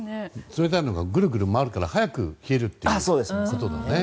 冷たいのがぐるぐる回るから早く冷えるということだね。